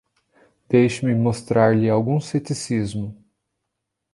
Deixe-me mostrar-lhe algum ceticismo.